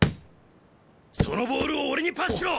そのボールを俺にパスしろ！